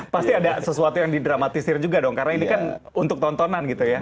pasti ada sesuatu yang didramatisir juga dong karena ini kan untuk tontonan gitu ya